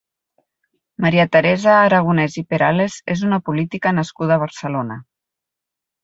Maria Teresa Aragonès i Perales és una política nascuda a Barcelona.